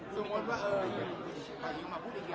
สมมติว่าเออ